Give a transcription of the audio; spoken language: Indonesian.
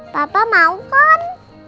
papa mau kan